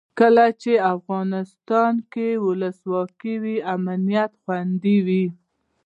کله چې افغانستان کې ولسواکي وي امنیت خوندي وي.